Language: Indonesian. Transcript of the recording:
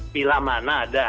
pilih mana ada